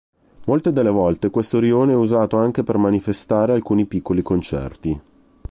Molte delle volte questo rione è usato anche per manifestare alcuni piccoli concerti.